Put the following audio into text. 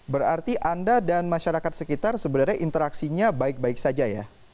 berarti anda dan masyarakat sekitar sebenarnya interaksinya baik baik saja ya